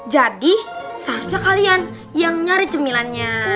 jadi seharusnya kalian yang nyari cemilannya